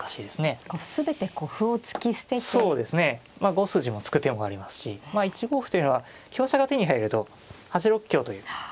５筋も突く手もありますし１五歩というのは香車が手に入ると８六香という。